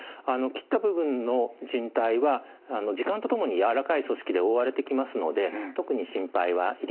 切った部分の靭帯は時間とともにやわらかい組織で覆われてきますので特に心配はいりません。